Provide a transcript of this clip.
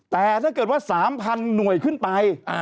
แต่ถ้าเกิดว่า๓๐๐๐หน่วยขึ้นไป